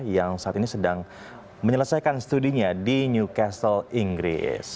yang saat ini sedang menyelesaikan studinya di newcastle inggris